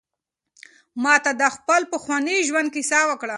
ما ته د خپل پخواني ژوند کیسه وکړه.